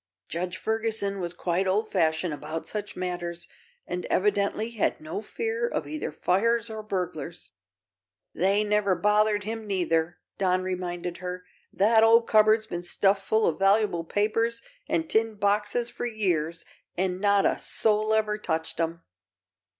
"Judge Ferguson was quite old fashioned about such matters and evidently had no fear of either fires or burglars." "They never bothered him, neither," Don reminded her. "That old cupboard's been stuffed full of valuable papers and tin boxes for years, an' not a soul ever touched 'em."